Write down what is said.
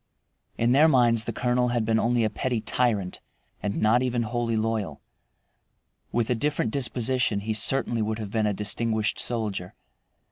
In their minds the colonel had been only a petty tyrant, and not even wholly loyal. With a different disposition he certainly would have been a distinguished soldier.